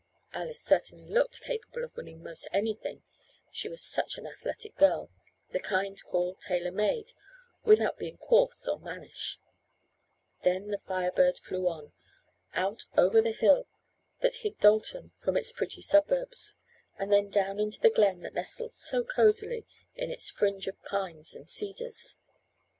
Alice certainly looked capable of winning most anything, she was such an athletic girl, the kind called "tailor made," without being coarse or mannish. Then the Fire Bird flew on. Out over the hill that hid Dalton from its pretty suburbs, and then down into the glen that nestled so cozily in its fringe of pines and cedars.